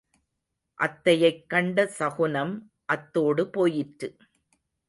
அத்தையைக் கண்ட சகுனம் அத்தோடு போயிற்று.